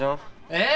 えっ？